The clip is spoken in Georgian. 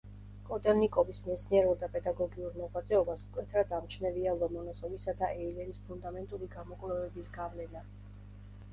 კოტელნიკოვის მეცნიერულ და პედაგოგიურ მოღვაწეობას მკვეთრად ამჩნევია ლომონოსოვისა და ეილერის ფუნდამენტური გამოკვლევების გავლენა.